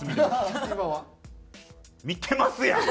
見てますやん！